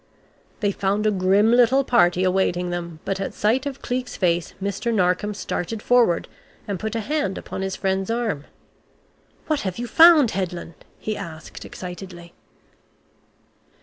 They found a grim little party awaiting them but at sight of Cleek's face Mr. Narkom started forward, and put a hand upon his friend's arm. "What have you found, Headland?" he asked excitedly.